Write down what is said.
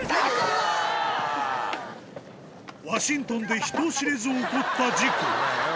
ワシントンで人知れず起こった事故。